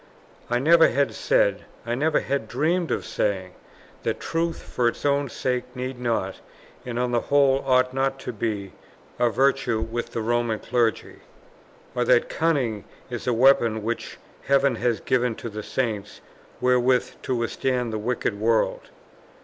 I never had said, I never had dreamed of saying, that truth for its own sake need not, and on the whole ought not to be, a virtue with the Roman Clergy; or that cunning is the weapon which heaven has given to the Saints wherewith to withstand the wicked world.